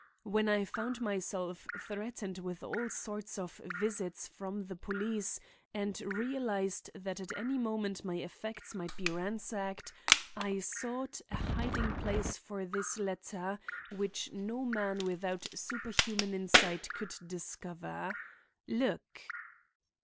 When I found myself threatened with all sorts of visits from the police and realized that at any moment my effects might be ransacked, I sought a hiding place for this letter, which no man without superhuman insight could discover. Look!"